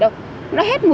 nói chung là phòng ngừa